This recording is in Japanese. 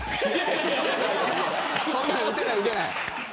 そんなの打てない、打てない。